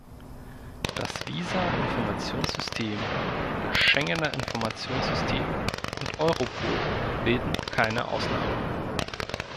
Das Visa-Informationssystem, das Schengener Informationssystem und Europol bilden keine Ausnahme.